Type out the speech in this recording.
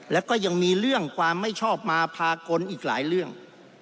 แล้วก็ยังมีเรื่องความไม่ชอบมาพากลอีกหลายเรื่อง